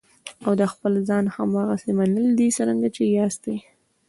او د خپل ځان هماغسې منل دي څرنګه چې یاستئ.